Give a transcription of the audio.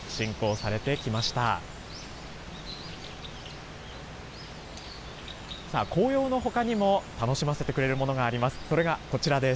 さあ、紅葉のほかにも楽しませてくれるものがあります。